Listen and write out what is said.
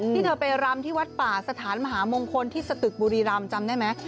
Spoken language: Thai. ที่เธอไปรำที่วัดป่าสถานมหามงคลที่สตึกบุรีรำจำได้ไหม